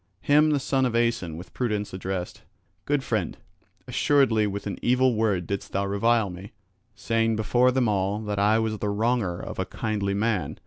Him the son of Aeson with prudence addressed: "Good friend, assuredly with an evil word didst thou revile me, saying before them all that I was the wronger of a kindly man.